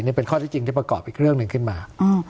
นี่เป็นข้อที่จริงที่ประกอบอีกเรื่องหนึ่งขึ้นมา